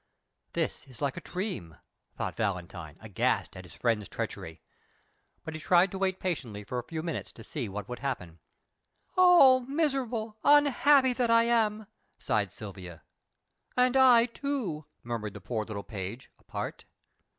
"This is like a dream!" thought Valentine, aghast at his friend's treachery. But he tried to wait patiently for a few minutes to see what would happen. "Oh, miserable, unhappy that I am," sighed Silvia. "And I too!" murmured the poor little page, apart.